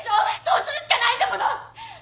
そうするしかないんだもの！